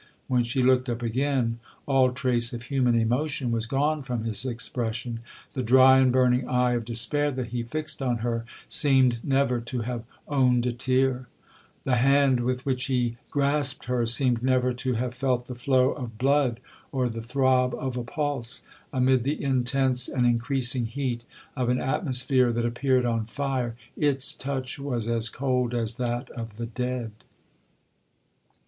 When she looked up again, all trace of human emotion was gone from his expression. The dry and burning eye of despair that he fixed on her, seemed never to have owned a tear; the hand with which he grasped her, seemed never to have felt the flow of blood, or the throb of a pulse; amid the intense and increasing heat of an atmosphere that appeared on fire, its touch was as cold as that of the dead.